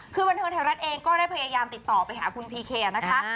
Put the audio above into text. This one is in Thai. คือบันเทิงไทยรัฐเองก็ได้พยายามติดต่อไปหาคุณพีเคนะคะ